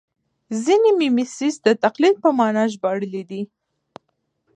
ځینې میمیسیس د تقلید په مانا ژباړلی دی